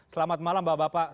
selamat malam bapak bapak